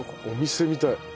お店みたい。